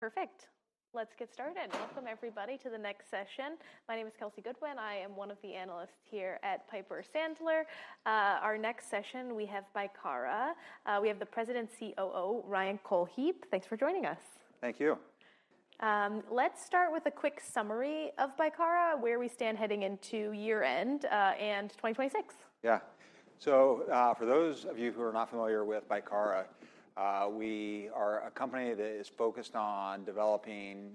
Perfect. Let's get started. Welcome, everybody, to the next session. My name is Kelsey Goodwin. I am one of the analysts here at Piper Sandler. Our next session, we have Bicara. We have the President and COO, Ryan Cohlhepp. Thanks for joining us. Thank you. Let's start with a quick summary of Bicara, where we stand heading into year-end and 2026. Yeah. So for those of you who are not familiar with Bicara, we are a company that is focused on developing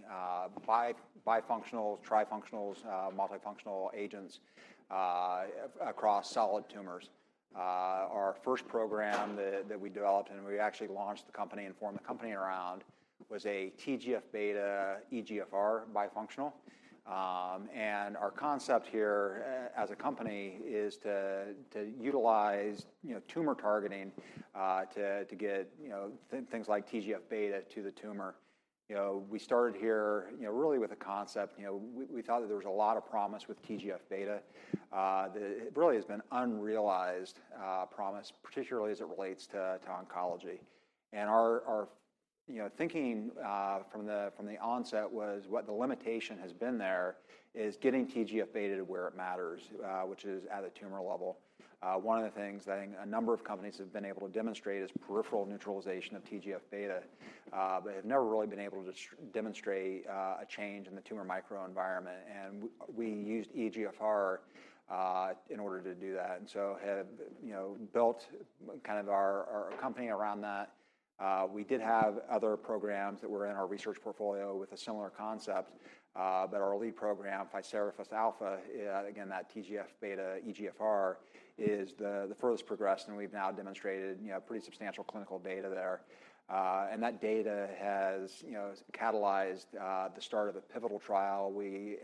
bifunctional, trifunctional, multifunctional agents across solid tumors. Our first program that we developed, and we actually launched the company and formed the company around, was a TGF-β EGFR bifunctional. And our concept here as a company is to utilize tumor targeting to get things like TGF-β to the tumor. We started here really with a concept. We thought that there was a lot of promise with TGF-β. It really has been unrealized promise, particularly as it relates to oncology. And our thinking from the onset was what the limitation has been there is getting TGF-β to where it matters, which is at the tumor level. One of the things that a number of companies have been able to demonstrate is peripheral neutralization of TGF-β, but have never really been able to demonstrate a change in the tumor microenvironment, and we used EGFR in order to do that, and so have built kind of our company around that. We did have other programs that were in our research portfolio with a similar concept, but our lead program, ficerafusp alfa, again, that TGF-β EGFR, is the furthest progressed, and we've now demonstrated pretty substantial clinical data there, and that data has catalyzed the start of a pivotal trial. We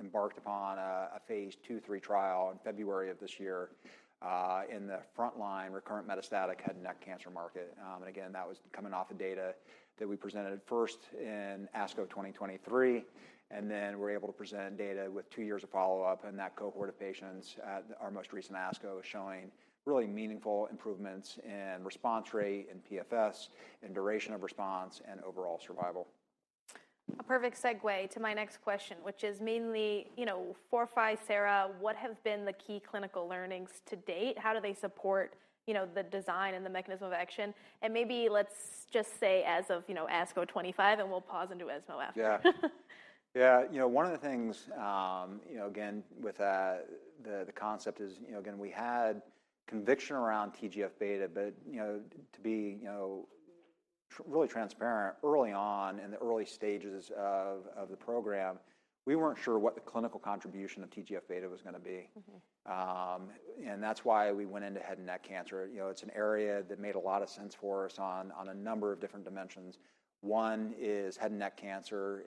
embarked upon a phase II/III trial in February of this year in the frontline recurrent metastatic head and neck cancer market, and again, that was coming off the data that we presented first in ASCO 2023, and then we're able to present data with two years of follow-up. That cohort of patients at our most recent ASCO is showing really meaningful improvements in response rate and PFS and duration of response and overall survival. A perfect segue to my next question, which is mainly, for FICERA, what have been the key clinical learnings to date? How do they support the design and the mechanism of action? And maybe let's just say as of ASCO 2025, and we'll pause into ESMO after. Yeah. Yeah. One of the things, again, with the concept is, again, we had conviction around TGF-β, but to be really transparent, early on in the early stages of the program, we weren't sure what the clinical contribution of TGF-β was going to be. And that's why we went into head and neck cancer. It's an area that made a lot of sense for us on a number of different dimensions. One is head and neck cancer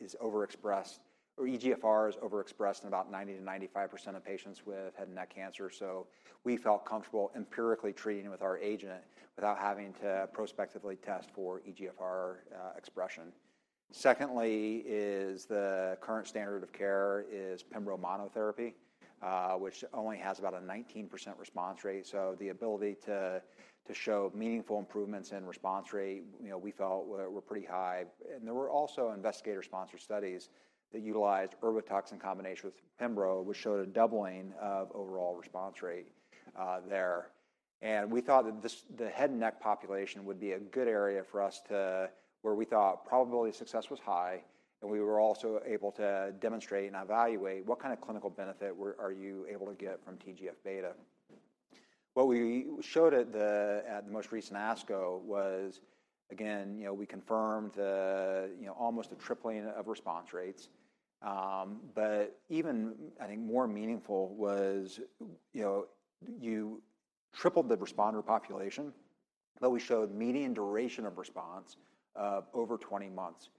is overexpressed EGFR is overexpressed in about 90%-95% of patients with head and neck cancer. So we felt comfortable empirically treating with our agent without having to prospectively test for EGFR expression. Secondly, the current standard of care is pembro monotherapy, which only has about a 19% response rate. So the ability to show meaningful improvements in response rate, we felt were pretty high. There were also investigator-sponsored studies that utilized Erbitux in combination with pembro, which showed a doubling of overall response rate there. We thought that the head and neck population would be a good area for us to where we thought probability of success was high. We were also able to demonstrate and evaluate what kind of clinical benefit are you able to get from TGF-β. What we showed at the most recent ASCO was, again, we confirmed almost a tripling of response rates. But even, I think, more meaningful was you tripled the responder population, but we showed median duration of response of over 20 months.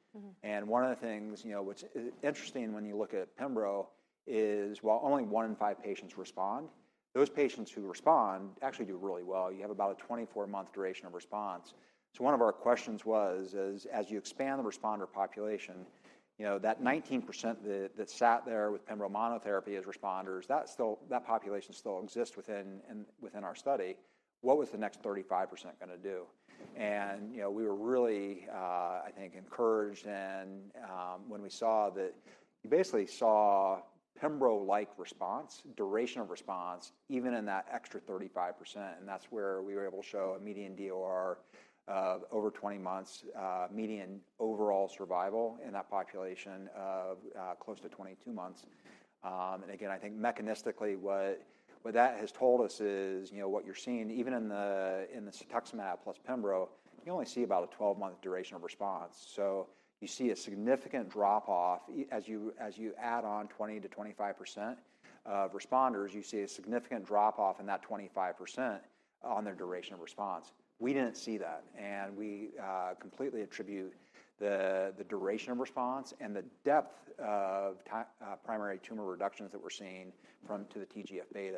One of the things what's interesting when you look at pembro is while only one in five patients respond, those patients who respond actually do really well. You have about a 24-month duration of response. So one of our questions was, as you expand the responder population, that 19% that sat there with pembrolizumab therapy as responders, that population still exists within our study. What was the next 35% going to do? And we were really, I think, encouraged when we saw that you basically saw pembrolizumab-like response, duration of response, even in that extra 35%. And that's where we were able to show a median DOR of over 20 months, median overall survival in that population of close to 22 months. And again, I think mechanistically, what that has told us is what you're seeing, even in the cetuximab plus pembro, you only see about a 12-month duration of response. So you see a significant drop-off as you add on 20%-25% of responders, you see a significant drop-off in that 25% on their duration of response. We didn't see that. We completely attribute the duration of response and the depth of primary tumor reductions that we're seeing to the TGF-β.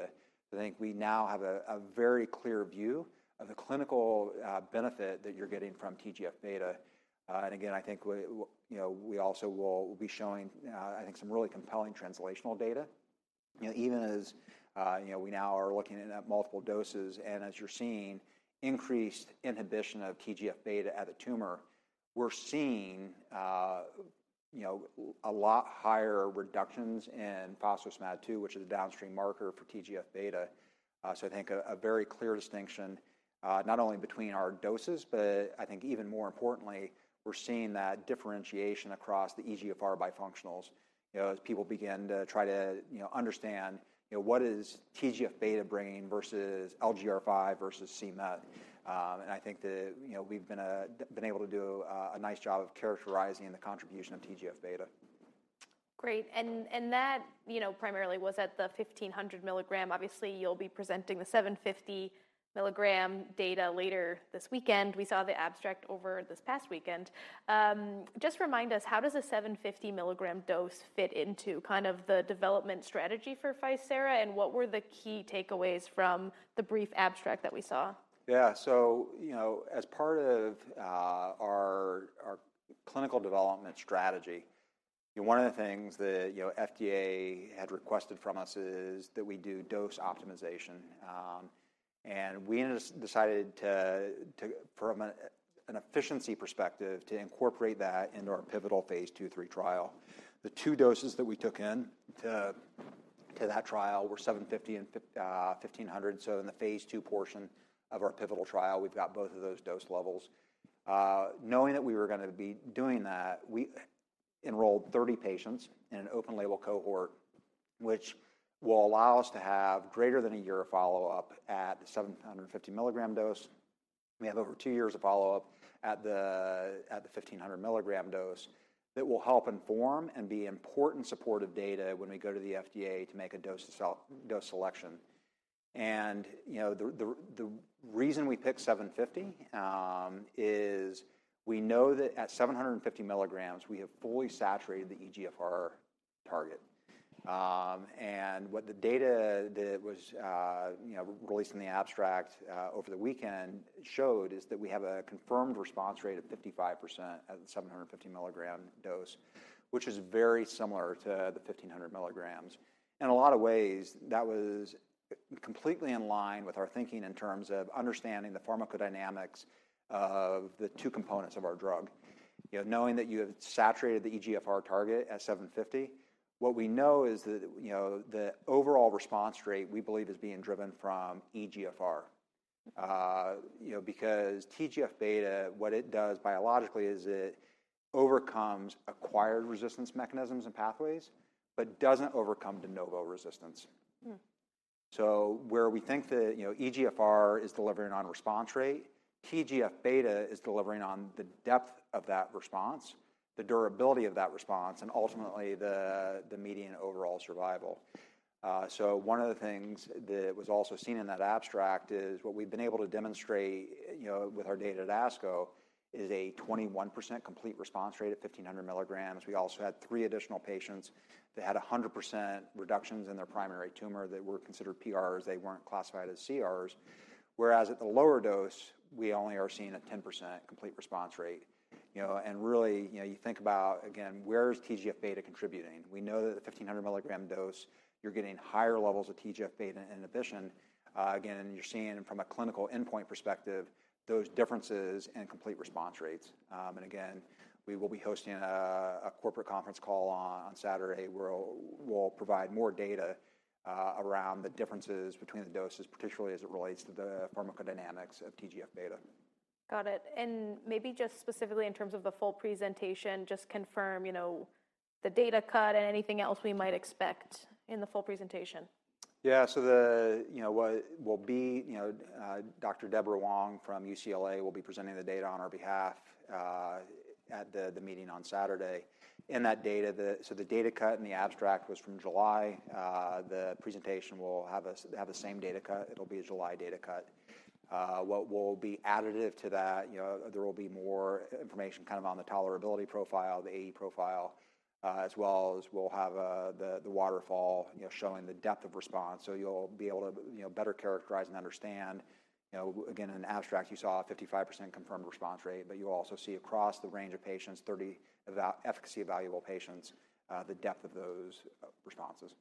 I think we now have a very clear view of the clinical benefit that you're getting from TGF-β. And again, I think we also will be showing, I think, some really compelling translational data, even as we now are looking at multiple doses. And as you're seeing increased inhibition of TGF-β at the tumor, we're seeing a lot higher reductions in phospho-SMAD2, which is a downstream marker for TGF-β. So I think a very clear distinction not only between our doses, but I think even more importantly, we're seeing that differentiation across the EGFR bifunctionals as people begin to try to understand what is TGF-β bringing versus LGR5 versus c-MET. And I think that we've been able to do a nice job of characterizing the contribution of TGF-β. Great. And that primarily was at the 1,500 mg. Obviously, you'll be presenting the 750 mg data later this weekend. We saw the abstract over this past weekend. Just remind us, how does a 750 mg dose fit into kind of the development strategy for FICERA? And what were the key takeaways from the brief abstract that we saw? Yeah. So as part of our clinical development strategy, one of the things that FDA had requested from us is that we do dose optimization, and we decided from an efficiency perspective to incorporate that into our pivotal phase II/III trial. The two doses that we took into that trial were 750 mg and 1,500 mg, so in the phase II portion of our pivotal trial, we've got both of those dose levels. Knowing that we were going to be doing that, we enrolled 30 patients in an open-label cohort, which will allow us to have greater than a year of follow-up at the 750 mg dose. We have over two years of follow-up at the 1,500 mg dose that will help inform and be important supportive data when we go to the FDA to make a dose selection. And the reason we picked 750 mg is we know that at 750 mg, we have fully saturated the EGFR target. And what the data that was released in the abstract over the weekend showed is that we have a confirmed response rate of 55% at the 750 mg dose, which is very similar to the 1,500 mg. In a lot of ways, that was completely in line with our thinking in terms of understanding the pharmacodynamics of the two components of our drug. Knowing that you have saturated the EGFR target at 750 mg, what we know is that the overall response rate we believe is being driven from EGFR. Because TGF-β, what it does biologically is it overcomes acquired resistance mechanisms and pathways, but doesn't overcome de novo resistance. So where we think that EGFR is delivering on response rate, TGF-β is delivering on the depth of that response, the durability of that response, and ultimately the median overall survival. So one of the things that was also seen in that abstract is what we've been able to demonstrate with our data at ASCO is a 21% complete response rate at 1,500 mg. We also had three additional patients that had 100% reductions in their primary tumor that were considered PRs. They weren't classified as CRs. Whereas at the lower dose, we only are seeing a 10% complete response rate. And really, you think about, again, where is TGF-β contributing? We know that at the 1,500 mg dose, you're getting higher levels of TGF-β inhibition. Again, you're seeing from a clinical endpoint perspective those differences in complete response rates. Again, we will be hosting a corporate conference call on Saturday where we'll provide more data around the differences between the doses, particularly as it relates to the pharmacodynamics of TGF-β. Got it. And maybe just specifically in terms of the full presentation, just confirm the data cut and anything else we might expect in the full presentation. Yeah. So, Dr. Deborah Wong from UCLA will be presenting the data on our behalf at the meeting on Saturday. And that data, so the data cut and the abstract was from July. The presentation will have the same data cut. It'll be a July data cut. What will be additive to that, there will be more information kind of on the tolerability profile, the AE profile, as well as we'll have the waterfall showing the depth of response. So you'll be able to better characterize and understand, again, in the abstract, you saw a 55% confirmed response rate, but you'll also see across the range of patients, 30 efficacy evaluable patients, the depth of those responses.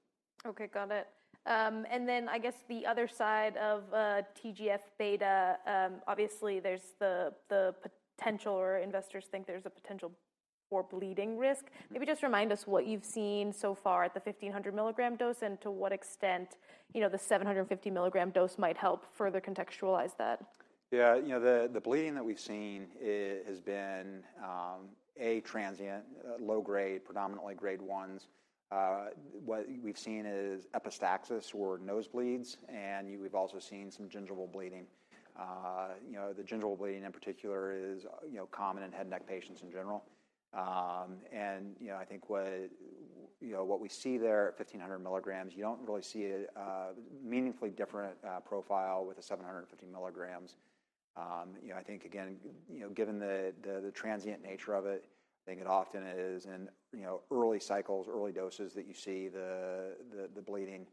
Okay. Got it. And then I guess the other side of TGF-β, obviously, there's the potential or investors think there's a potential for bleeding risk. Maybe just remind us what you've seen so far at the 1,500 mg dose and to what extent the 750 mg dose might help further contextualize that. Yeah. The bleeding that we've seen has been a, transient, low grade, predominantly grade ones. What we've seen is epistaxis or nosebleeds. And we've also seen some gingival bleeding. The gingival bleeding in particular is common in head and neck patients in general. And I think what we see there at 1,500 mg, you don't really see a meaningfully different profile with the 750 mg. I think, again, given the transient nature of it, I think it often is in early cycles, early doses that you see the bleeding.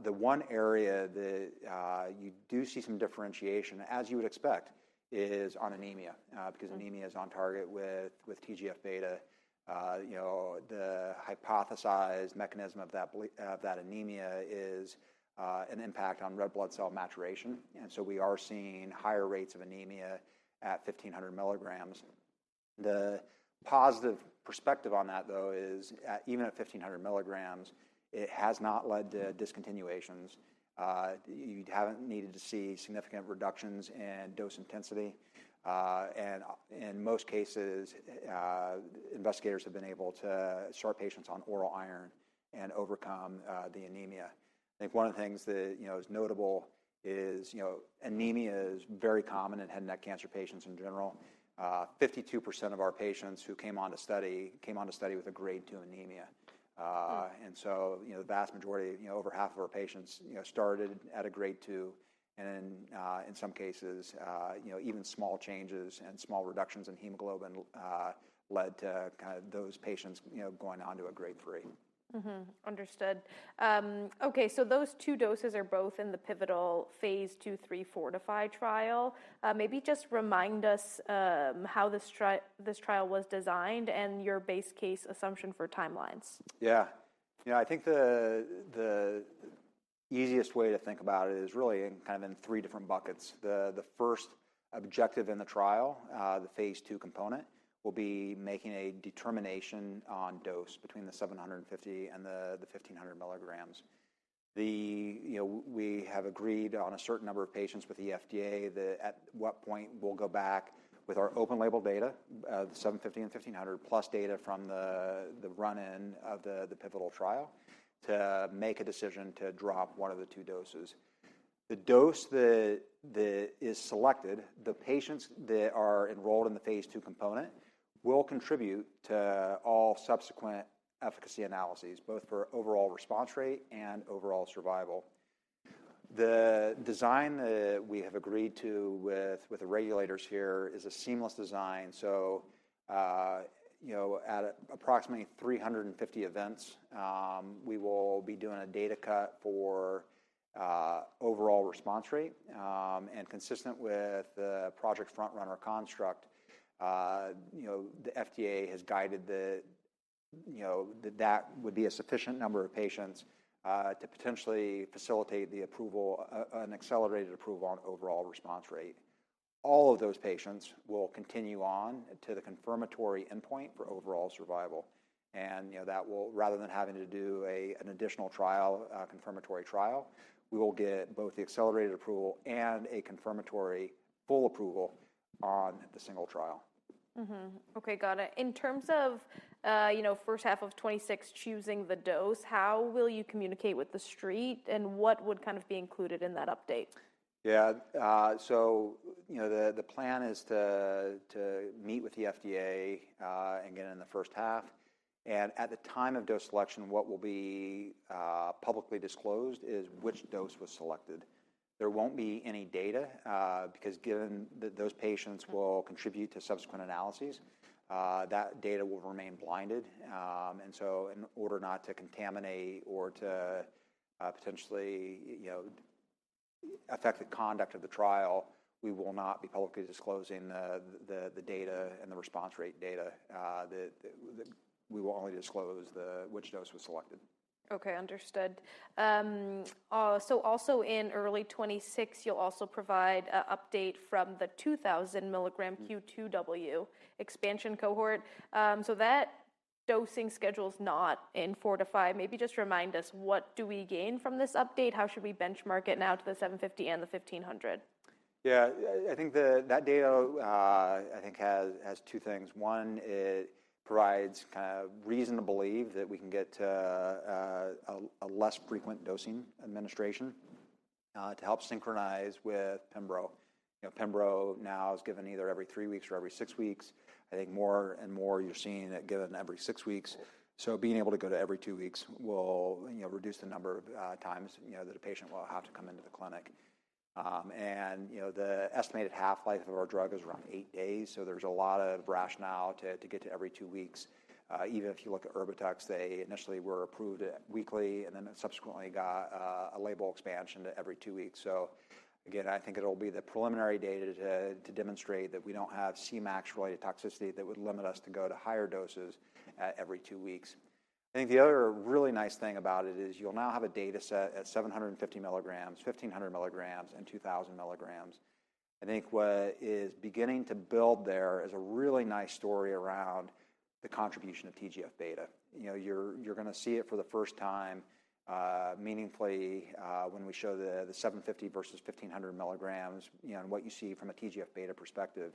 The one area that you do see some differentiation, as you would expect, is on anemia because anemia is on target with TGF-β. The hypothesized mechanism of that anemia is an impact on red blood cell maturation. And so we are seeing higher rates of anemia at 1,500 mg. The positive perspective on that, though, is even at 1,500 mg, it has not led to discontinuations. You haven't needed to see significant reductions in dose intensity. And in most cases, investigators have been able to start patients on oral iron and overcome the anemia. I think one of the things that is notable is anemia is very common in head and neck cancer patients in general. 52% of our patients who came on to study with a grade two anemia. And so the vast majority, over half of our patients started at a grade two. And in some cases, even small changes and small reductions in hemoglobin led to kind of those patients going on to a grade three. Understood. Okay. So those two doses are both in the pivotal phase II/III trial. Maybe just remind us how this trial was designed and your base case assumption for timelines. Yeah. I think the easiest way to think about it is really kind of in three different buckets. The first objective in the trial, the phase II component, will be making a determination on dose between the 750 mg and the 1,500 mg. We have agreed on a certain number of patients with the FDA that at what point we'll go back with our open-label data, the 750 mg and 1,500+ mg data from the run-in of the pivotal trial to make a decision to drop one of the two doses. The dose that is selected, the patients that are enrolled in the phase II component will contribute to all subsequent efficacy analyses, both for overall response rate and overall survival. The design that we have agreed to with the regulators here is a seamless design. So at approximately 350 events, we will be doing a data cut for overall response rate. Consistent with the Project FrontRunner construct, the FDA has guided that that would be a sufficient number of patients to potentially facilitate an accelerated approval on overall response rate. All of those patients will continue on to the confirmatory endpoint for overall survival. Rather than having to do an additional confirmatory trial, we will get both the accelerated approval and a confirmatory full approval on the single trial. Okay. Got it. In terms of first half of 2026 choosing the dose, how will you communicate with the street? And what would kind of be included in that update? Yeah. So the plan is to meet with the FDA in the first half. And at the time of dose selection, what will be publicly disclosed is which dose was selected. There won't be any data because given that those patients will contribute to subsequent analyses, that data will remain blinded. And so in order not to contaminate or to potentially affect the conduct of the trial, we will not be publicly disclosing the data and the response rate data. We will only disclose which dose was selected. Okay. Understood. So also in early 2026, you'll also provide an update from the 2,000 mg Q2W expansion cohort. So that dosing schedule is not in FORTIFI. Maybe just remind us, what do we gain from this update? How should we benchmark it now to the 750 mg and the 1,500 mg? Yeah. I think that data, I think, has two things. One, it provides kind of reason to believe that we can get to a less frequent dosing administration to help synchronize with pembro. Pembro now is given either every three weeks or every six weeks. I think more and more you're seeing it given every six weeks. So being able to go to every two weeks will reduce the number of times that a patient will have to come into the clinic. And the estimated half-life of our drug is around eight days. So there's a lot of rationale to get to every two weeks. Even if you look at Erbitux, they initially were approved weekly and then subsequently got a label expansion to every two weeks. So again, I think it'll be the preliminary data to demonstrate that we don't have Cmax-related toxicity that would limit us to go to higher doses at every two weeks. I think the other really nice thing about it is you'll now have a dataset at 750 mg, 1,500 mg, and 2,000 mg. I think what is beginning to build there is a really nice story around the contribution of TGF-β. You're going to see it for the first time meaningfully when we show the 750 mg versus 1,500 mg and what you see from a TGF-β perspective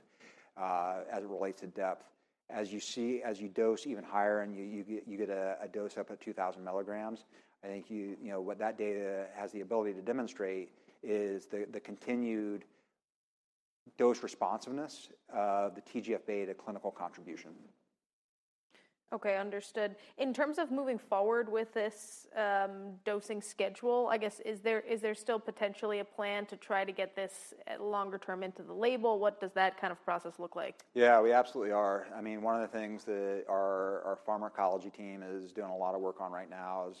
as it relates to depth. As you dose even higher and you get a dose up at 2,000 mg, I think what that data has the ability to demonstrate is the continued dose responsiveness of the TGF-β clinical contribution. Okay. Understood. In terms of moving forward with this dosing schedule, I guess, is there still potentially a plan to try to get this longer term into the label? What does that kind of process look like? Yeah. We absolutely are. I mean, one of the things that our pharmacology team is doing a lot of work on right now is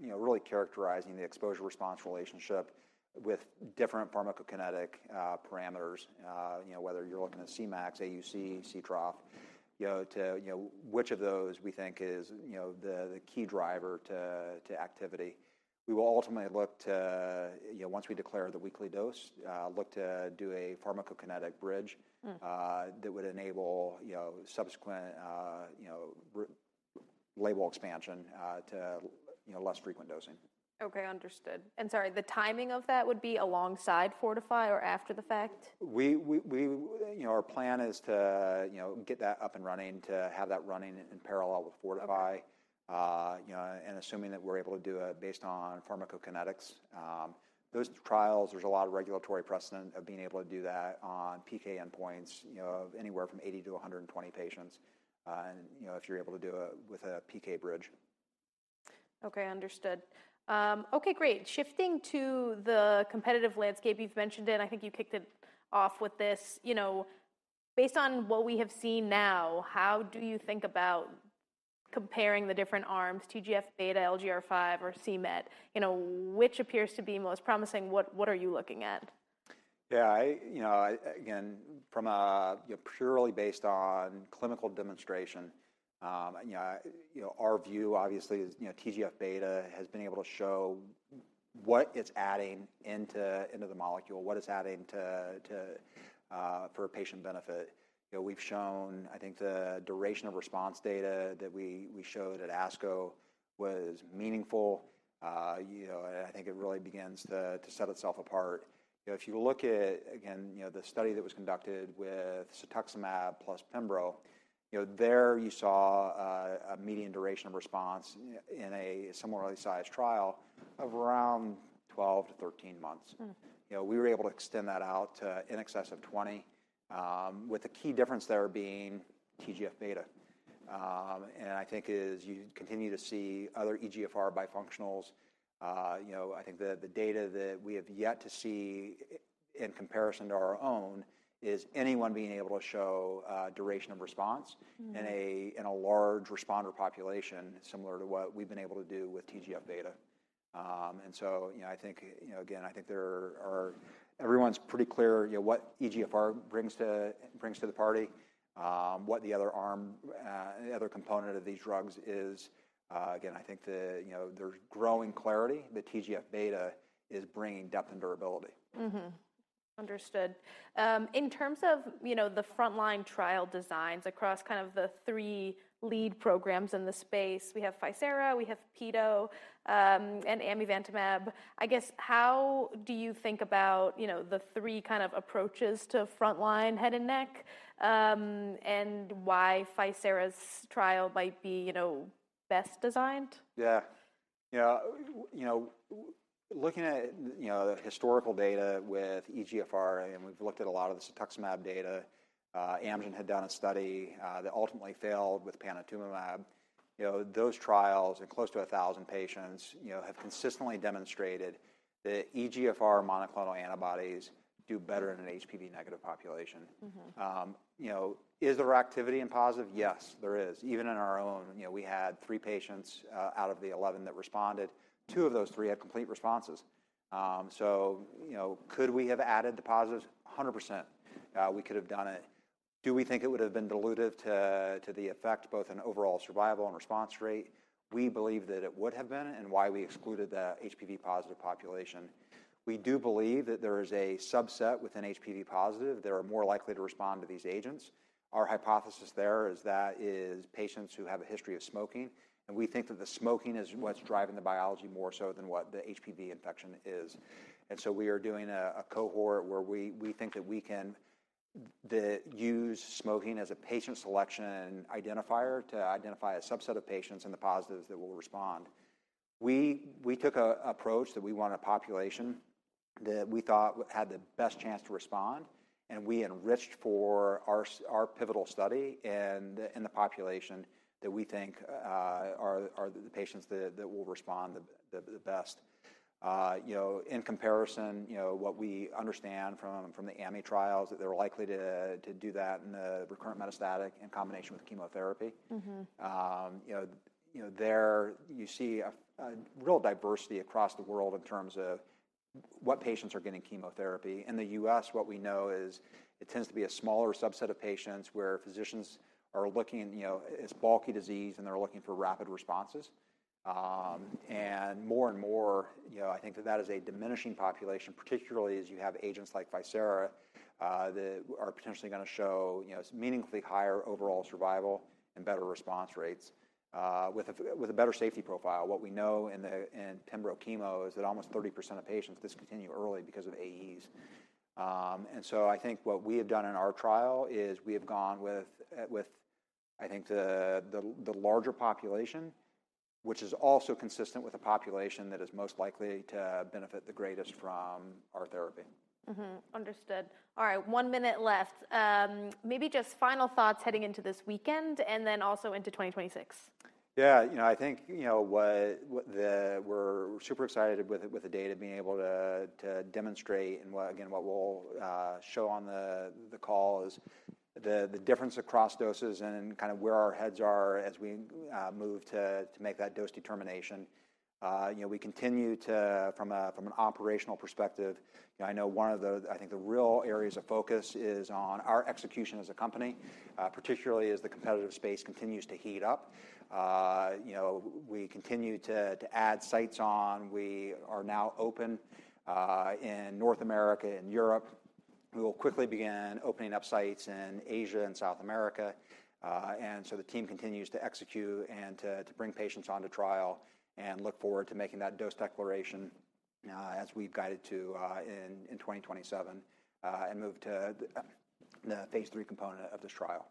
really characterizing the exposure-response relationship with different pharmacokinetic parameters, whether you're looking at Cmax, AUC, Ctrough, which of those we think is the key driver to activity. We will ultimately look to, once we declare the weekly dose, look to do a pharmacokinetic bridge that would enable subsequent label expansion to less frequent dosing. Okay. Understood. And sorry, the timing of that would be alongside FORTIFI or after the fact? Our plan is to get that up and running, to have that running in parallel with FORTIFI. And assuming that we're able to do it based on pharmacokinetics, those trials, there's a lot of regulatory precedent of being able to do that on PK endpoints of anywhere from 80 to 120 patients if you're able to do it with a PK bridge. Okay. Understood. Okay. Great. Shifting to the competitive landscape, you've mentioned it. I think you kicked it off with this. Based on what we have seen now, how do you think about comparing the different arms, TGF-β, LGR5, or c-MET? Which appears to be most promising? What are you looking at? Yeah. Again, purely based on clinical demonstration, our view obviously is TGF-β has been able to show what it's adding into the molecule, what it's adding for patient benefit. We've shown, I think, the duration of response data that we showed at ASCO was meaningful. I think it really begins to set itself apart. If you look at, again, the study that was conducted with cetuximab plus pembro, there you saw a median duration of response in a similarly sized trial of around 12 to 13 months. We were able to extend that out to in excess of 20, with the key difference there being TGF-β. I think as you continue to see other EGFR bifunctionals, I think the data that we have yet to see in comparison to our own is anyone being able to show duration of response in a large responder population similar to what we've been able to do with TGF-β. So I think, again, I think everyone's pretty clear what EGFR brings to the party, what the other component of these drugs is. Again, I think there's growing clarity that TGF-β is bringing depth and durability. Understood. In terms of the frontline trial designs across kind of the three lead programs in the space, we have FICERA, we have peto, and amivantamab. I guess, how do you think about the three kind of approaches to frontline head and neck and why ficera trial might be best designed? Yeah. Looking at the historical data with EGFR, and we've looked at a lot of the cetuximab data. Amgen had done a study that ultimately failed with panitumumab. Those trials in close to 1,000 patients have consistently demonstrated that EGFR monoclonal antibodies do better in an HPV-negative population. Is there activity in positive? Yes, there is. Even in our own, we had three patients out of the 11 that responded. Two of those three had complete responses. So could we have added the positives? 100%. We could have done it. Do we think it would have been dilutive to the effect both in overall survival and response rate? We believe that it would have been and why we excluded the HPV-positive population. We do believe that there is a subset within HPV-positive that are more likely to respond to these agents. Our hypothesis there is that patients who have a history of smoking. And we think that the smoking is what's driving the biology more so than what the HPV infection is. And so we are doing a cohort where we think that we can use smoking as a patient selection identifier to identify a subset of patients in the positives that will respond. We took an approach that we wanted a population that we thought had the best chance to respond. And we enriched for our pivotal study in the population that we think are the patients that will respond the best. In comparison, what we understand from the ami trials that they're likely to do that in the recurrent metastatic in combination with chemotherapy. There you see a real diversity across the world in terms of what patients are getting chemotherapy. In the U.S., what we know is it tends to be a smaller subset of patients where physicians are looking at this bulky disease and they're looking for rapid responses, and more and more, I think that that is a diminishing population, particularly as you have agents like FICERA that are potentially going to show meaningfully higher overall survival and better response rates with a better safety profile. What we know in pembro chemo is that almost 30% of patients discontinue early because of AEs, and so I think what we have done in our trial is we have gone with, I think, the larger population, which is also consistent with a population that is most likely to benefit the greatest from our therapy. Understood. All right. One minute left. Maybe just final thoughts heading into this weekend and then also into 2026. Yeah. I think we're super excited with the data being able to demonstrate. And again, what we'll show on the call is the difference across doses and kind of where our heads are as we move to make that dose determination. We continue to, from an operational perspective, I know one of the, I think, the real areas of focus is on our execution as a company, particularly as the competitive space continues to heat up. We continue to add sites on. We are now open in North America and Europe. We will quickly begin opening up sites in Asia and South America. And so the team continues to execute and to bring patients on to trial and look forward to making that dose declaration as we've guided to in 2027 and move to the phase III component of this trial.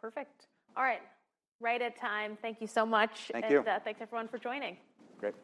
Perfect. All right. Right on time. Thank you so much. Thank you. Thanks everyone for joining. Great.